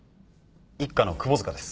１課の窪塚です。